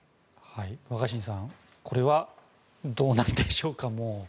若新さんこれはどうなるんでしょうか。